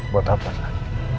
buat apa kak